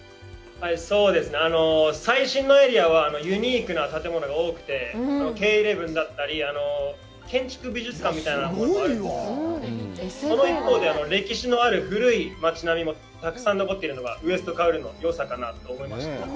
そうですね、最新のエリアはユニークな建物が多くて、Ｋ１１だったり、建築美術館みたいなものもあって、その一方で、歴史のある古い街並みもたくさん残っているのが、西九龍のよさかなと思いました。